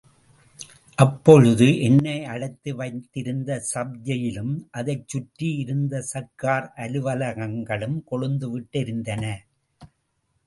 அப்பொழுது என்னை அடைத்து வைத்திருந்த சப் ஜெயிலும், அதைச் சுற்றி இருந்த சர்க்கார் அலுவலகங்களும் கொழுந்து விட்டு எரிந்தன.